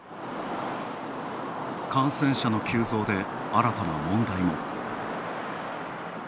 感染者の急増で新たな問題も。